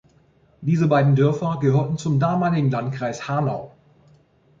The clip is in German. Diese beiden Dörfer gehörten zum damaligen Landkreis Hanau.